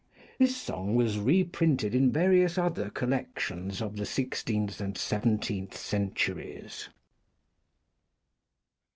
This song was reprinted in various other collections of the sixteenth and seventeenth centuries.